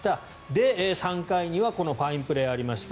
で、３回にはファインプレーがありました。